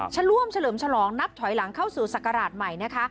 ร่วมเฉลิมฉลองนับถอยหลังเข้าสู่ศักราชใหม่นะคะ